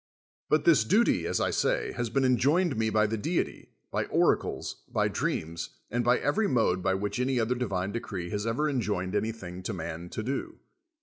But this duty, as I say, has been enjoined me by the deity, ])y oracles, by dreams, and by every mode by which any other divine decree has ever enjoined anything to man to do.